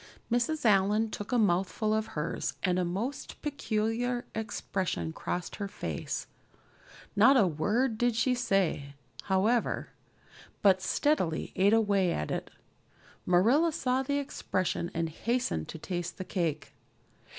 Mrs. Allan took a mouthful of hers and a most peculiar expression crossed her face; not a word did she say, however, but steadily ate away at it. Marilla saw the expression and hastened to taste the cake.